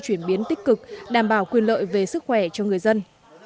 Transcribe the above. chuyển biến tích cực đảm bảo quyền lợi về sức khỏe cho người dân